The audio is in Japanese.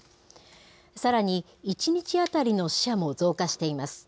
さらに１日当たりの死者も増加しています。